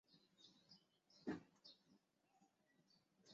后工作于德商爱礼司洋行宁波经销行美益颜料号。